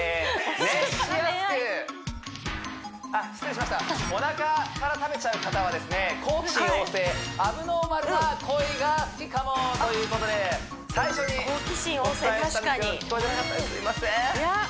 熱しやすくあっ失礼しましたおなかから食べちゃう方はですね好奇心旺盛アブノーマルな恋が好きかもということで最初にお伝えしたんですけど聞こえてなかったすいません